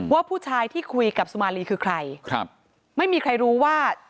ว่าผู้ชายที่คุยกับสุมารีคือใครครับไม่มีใครรู้ว่า